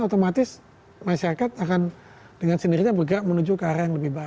otomatis masyarakat akan dengan sendirinya bergerak menuju ke arah yang lebih baik